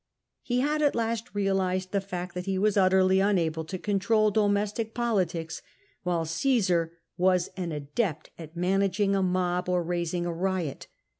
He had at last realised the fact that he was utterly unable to control domestic politics, while Caesar was an adept at managing a mob or raising a riot.